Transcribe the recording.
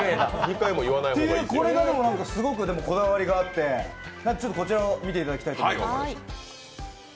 これがすごくこだわりがあってこちらを見ていただきたいと思います。